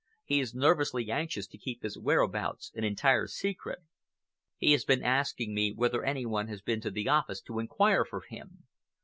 He is nervously anxious to keep his whereabouts an entire secret. He has been asking me whether any one has been to the office to inquire for him.